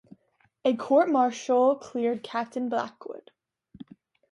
A court martial cleared Captain Blackwood.